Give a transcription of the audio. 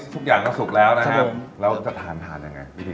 ทุกอย่างจะสกแล้วนะครับแล้วจะทานวิธีการอย่างไง